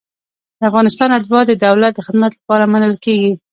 د افغانستان اتباع د دولت د خدمت لپاره منل کیږي.